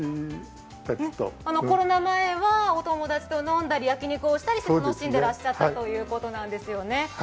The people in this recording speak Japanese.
コロナ前はお友達と飲んだり焼き肉をして楽しんでらっしゃったということですよね。